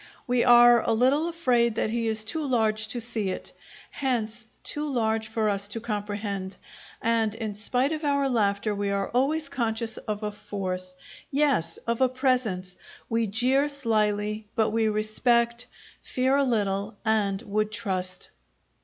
We are a little afraid that he is too large to see it; hence too large for us to comprehend, and in spite of our laughter we are always conscious of a force yes, of a presence! We jeer slyly, but we respect, fear a little, and would trust.